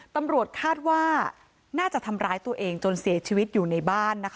ตำรวจคาดว่าน่าจะทำร้ายตัวเองจนเสียชีวิตอยู่ในบ้านนะคะ